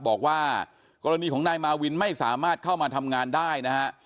บอกว่ากรณีของนายมาวินไม่สามารถเข้ามาทำงานได้นะฮะ